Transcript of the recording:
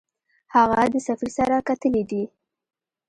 هغه د سفیر سره کتلي دي.